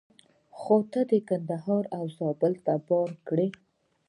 خو تا کندهار او زابل ته بار کړه.